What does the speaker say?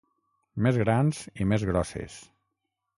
Més grans i més grosses.